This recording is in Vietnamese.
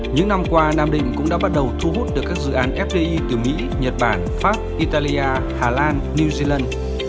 những năm qua nam định cũng đã bắt đầu thu hút được các dự án fdi từ mỹ nhật bản pháp italia hà lan new zealand